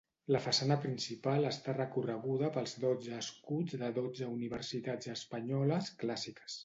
La façana principal està recorreguda pels dotze escuts de dotze universitats espanyoles clàssiques.